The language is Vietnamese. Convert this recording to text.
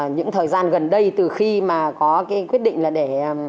những thời gian gần đây từ khi mà có cái quyết định là để